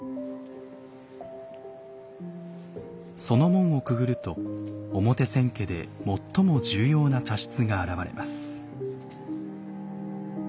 その門をくぐると表千家で最も重要な茶室が現れます。